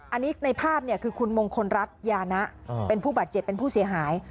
อันนี้ในภาพคือคุณมงคลรัฐยานะเป็นผู้บาดเจ็บเป็นผู้เสียหาย